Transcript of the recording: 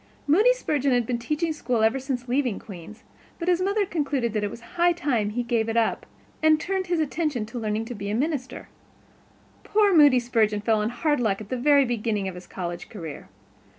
Moody Spurgeon had been teaching school ever since leaving Queen's, but his mother had concluded it was high time he gave it up and turned his attention to learning how to be a minister. Poor Moody Spurgeon fell on hard luck at the very beginning of his college career.